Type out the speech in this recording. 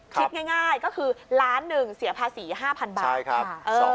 คิดง่ายก็คือล้านหนึ่งเสียภาษี๕๐๐๐บาท